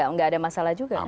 nggak ada masalah juga